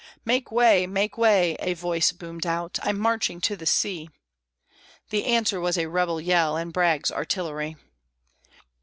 "Make way, make way!" a voice boomed out, "I'm marching to the sea!" The answer was a rebel yell and Bragg's artillery.